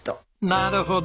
なるほど。